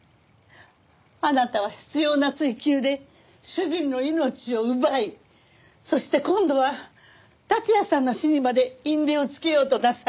あなたは執拗な追及で主人の命を奪いそして今度は達也さんの死にまで因縁をつけようとなさるの？